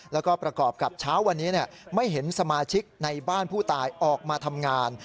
แล้วก็ประกอบกับเช้าวันนี้ไม่เห็นสมาชิกในบ้านผู้ตายออกมาทำงาน